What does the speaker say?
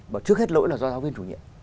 mà trước hết lỗi là do giáo viên chủ nhiệm